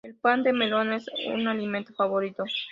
El pan de melón es su alimento favorito.